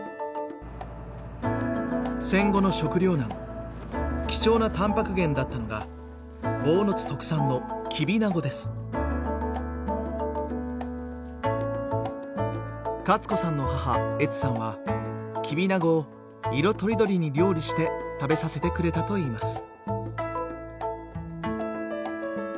戦後の食糧難貴重なたんぱく源だったのが坊津特産のカツ子さんの母エツさんはキビナゴを色とりどりに料理して食べさせてくれたといいます。